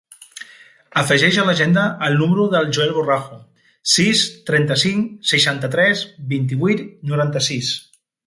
Afegeix a l'agenda el número del Joel Borrajo: sis, trenta-cinc, seixanta-tres, vint-i-vuit, noranta-sis.